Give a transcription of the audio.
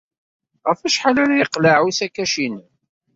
Ɣef wacḥal ara yeqleɛ usakac-nnem?